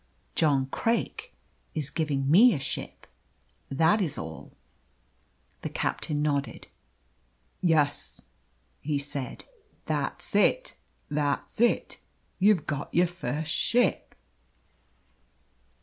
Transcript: John Craik is giving me a ship, that is all." The captain nodded. "Yes," he said, "that's it, that's it. You've got your first ship."